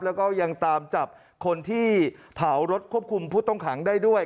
แล้วก็ยังตามจับคนที่เผารถควบคุมผู้ต้องขังได้ด้วย